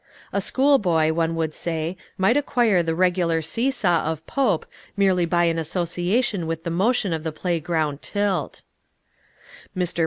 A school boy, one would say, might acquire the regular see saw of Pope merely by an association with the motion of the play ground tilt. Mr.